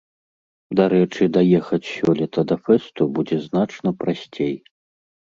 Дарэчы, даехаць сёлета да фэсту будзе значна прасцей.